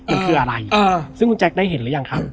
มันคืออะไรซึ่งคุณแจ๊คได้เห็นหรือยังครับ